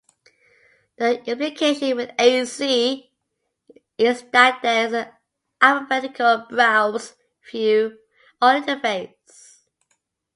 The implication with "A-Z" is that there is an alphabetical browse view or interface.